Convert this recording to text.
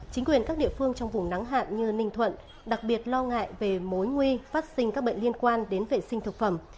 chính quyền các địa phương trong vùng nắng hạn như ninh thuận đặc biệt lo ngại về mối nguy phát sinh các bệnh liên quan đến vệ sinh thực phẩm